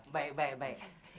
baik baik baik